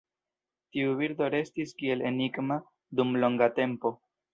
Tiu birdo restis kiel enigma dum longa tempo.